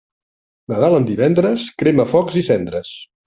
Nadal en divendres, crema focs i cendres.